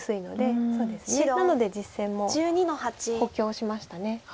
そうですねなので実戦も補強しました。